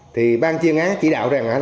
thì ban chuyên án chỉ đạo rằng